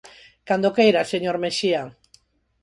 Cando queira, señor Mexía.